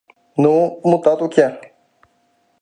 — Ну, мутат уке.